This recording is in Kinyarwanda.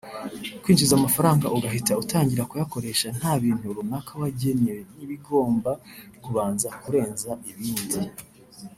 Kwinjiza amafaranga ugahita utangira kuyakoresha nta bintu runaka wagennye n’ibigomba kubanza kurenza ibindi